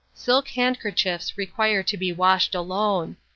Silk handkerchiefs require to be washed alone.